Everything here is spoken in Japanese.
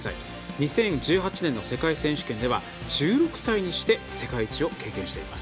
２０１８年の世界選手権では１６歳にして世界一を経験しています。